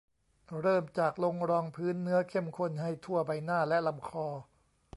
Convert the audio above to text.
เริ่มจากลงรองพื้นเนื้อเข้มข้นให้ทั่วใบหน้า และลำคอ